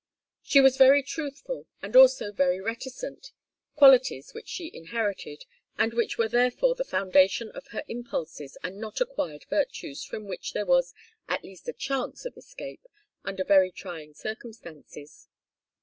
She was very truthful and also very reticent qualities which she inherited, and which were therefore the foundation of her impulses and not acquired virtues from which there was at least a chance of escape under very trying circumstances.